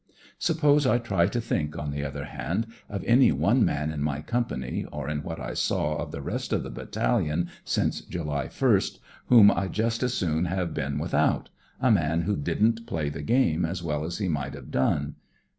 Suppose I try to think, on the other hand, of any one man in my Company, or in what I saw of the rest of the Battalion, since July ISv, whom I'd just as soon have been without, a man who didn't play the game as well as he might have done.